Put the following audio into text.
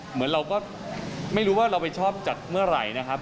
เหมือนเราก็ไม่รู้ว่าเราไปชอบจากเมื่อไหร่นะครับ